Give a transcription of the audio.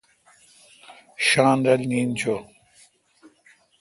شاین رل نین چو۔